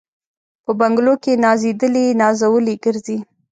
په بنګلو کي نازېدلي نازولي ګرځي